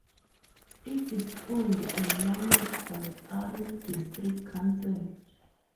It is owned and managed by Arun District Council.